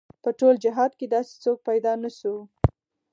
په ټول جهاد کې داسې څوک پيدا نه شو.